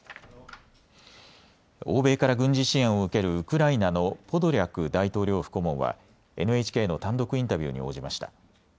欧米から軍事支援を受けるウクライナのポドリャク大統領府顧問はＮＨＫの単独インタビューに応じました。